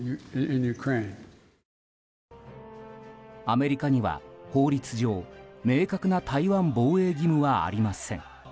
アメリカには法律上、明確な台湾防衛義務はありません。